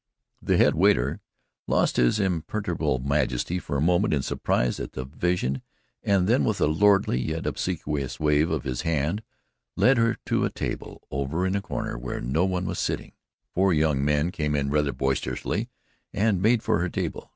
The head waiter, a portly darky, lost his imperturbable majesty for a moment in surprise at the vision and then with a lordly yet obsequious wave of his hand, led her to a table over in a corner where no one was sitting. Four young men came in rather boisterously and made for her table.